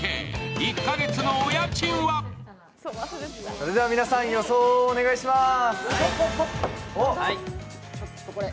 それでは皆さん、予想をお願いします。